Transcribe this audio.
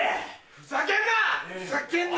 ふざけんな！